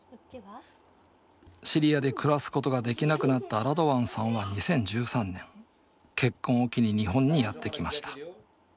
シリアで暮らすことができなくなったラドワンさんは２０１３年結婚を機に日本にやって来ました。